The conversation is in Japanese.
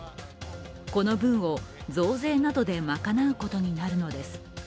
この分を増税などで賄うことになるのです。